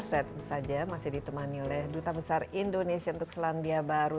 saya saja masih ditemani oleh duta besar indonesia untuk selandia baru